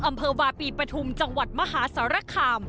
อำเภอวาปีปฐุมจังหวัดมหาสารคาม